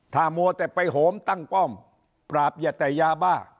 ถ้ามัวแต่ไปโหมตั้งป้อมปราบอย่าแต่ยาบ้า